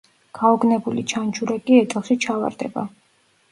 გაოგნებული ჩანჩურა კი ეტლში ჩავარდება.